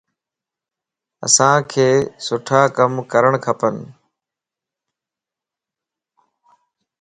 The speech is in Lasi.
اسانک سٺا ڪم ڪرڻ کپن.